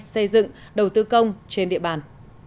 xây dựng đầu tư công trên địa bàn